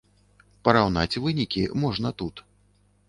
Параўнаць вынікі можна тут.